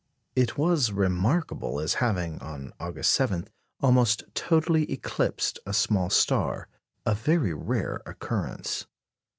It was remarkable as having, on August 7, almost totally eclipsed a small star a very rare occurrence.